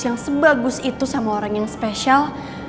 yang sebagus itu sama orang yang spesial